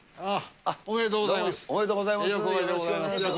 おめでとうございます。